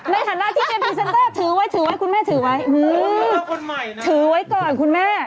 ไม่ธรรมาจไดพริเซนเตอร์ถือไว้คุณแม่ถือไว้อืมถือไว้ก่อนคุณแม่